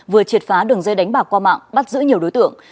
vừa triệt phá đường dây đánh bạc qua mạng bắt giữ nhiều đối tượng